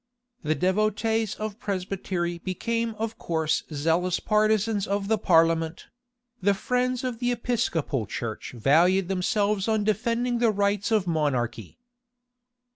The devotees of Presbytery became of course zealous partisans of the parliament: the friends of the Episcopal church valued themselves on defending the rights of monarchy.